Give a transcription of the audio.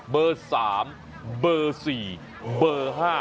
เบอร์๓เบอร์๔เบอร์๕